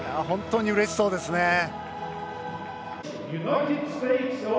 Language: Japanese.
本当にうれしそうですね。